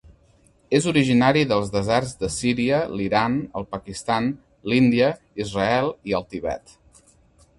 És originari dels deserts de Síria, l'Iran, el Pakistan, l'Índia, Israel i el Tibet.